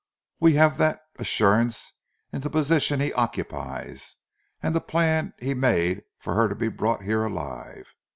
We have that assurance in the position he occupies and the plan he made for her to be brought here alive.